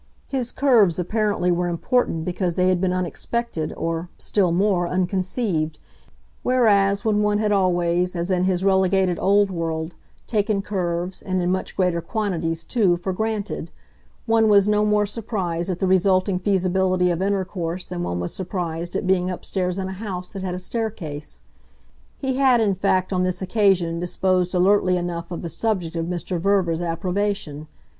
His "curves" apparently were important because they had been unexpected, or, still more, unconceived; whereas when one had always, as in his relegated old world, taken curves, and in much greater quantities too, for granted, one was no more surprised at the resulting feasibility of intercourse than one was surprised at being upstairs in a house that had a staircase. He had in fact on this occasion disposed alertly enough of the subject of Mr. Verver's approbation.